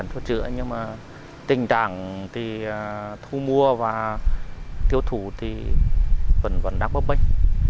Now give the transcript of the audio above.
nhưng mà tình trạng thì thu mua và tiêu thủ thì vẫn vẫn đang bấp bênh